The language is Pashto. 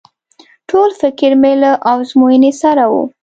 ټول فکر مې له ازموينې سره و.